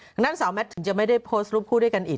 ดังนั้นสาวแมทถึงจะไม่ได้โพสต์รูปคู่ด้วยกันอีก